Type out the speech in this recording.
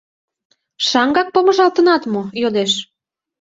— Шаҥгак помыжалтынат мо? — йодеш.